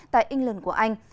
tại england của anh